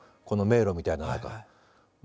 この迷路みたいなのとか。